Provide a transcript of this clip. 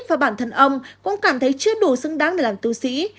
và bản thân ông cũng cảm thấy chưa đủ xứng đáng để làm tu sĩ